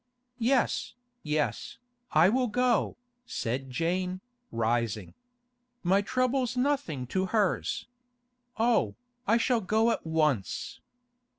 'Yes, yes, I will go,' said Jane, rising. 'My trouble's nothing to hers. Oh, I shall go at once.